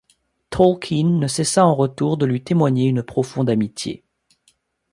Tolkien ne cessa, en retour, de lui témoigner une profonde amitié.